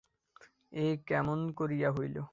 এ কেমন করিয়া হইল।